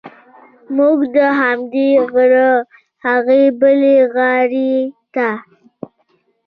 موږ د همدې غره هغې بلې غاړې ته.